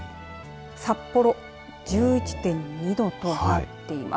札幌、１１．２度となっています。